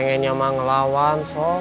pengen nyamah ngelawan sok